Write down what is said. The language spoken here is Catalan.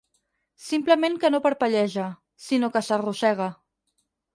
Simplement que no parpelleja, sinó que s'arrossega.